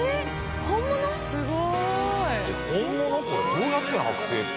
どうやってはく製って。